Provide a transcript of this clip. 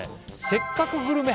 せっかくグルメ！！